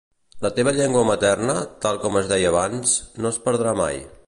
La teva llengua materna, tal com es deia abans, no es perdrà mai.